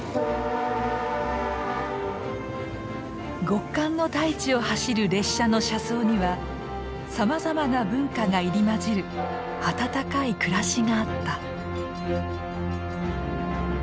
極寒の大地を走る列車の車窓にはさまざまな文化が入り混じる温かい暮らしがあった。